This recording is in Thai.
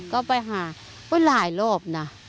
ก็ไปหาก็หลายรอบนะ